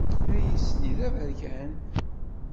Ayis-nni d aberkan?